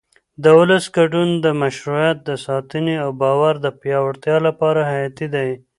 د ولس ګډون د مشروعیت د ساتنې او باور د پیاوړتیا لپاره حیاتي دی